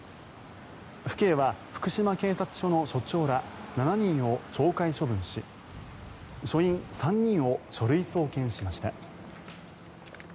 府警は福島警察署の署長ら７人を懲戒処分し署員３人を書類送検しました。